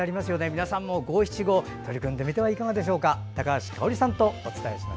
皆さんも五七五に取り組んでみてはいかがでしょうか。